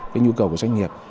cái nhu cầu của doanh nghiệp